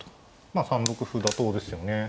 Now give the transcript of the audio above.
まあ３六歩妥当ですよね。